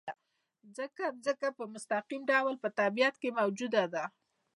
ځکه ځمکه په مستقیم ډول په طبیعت کې موجوده ده.